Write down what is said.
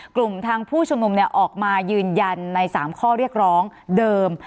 กลุ่มทางผู้ชุมนุมออกมายืนยันใน๓ข้อเรียกร้องเดิม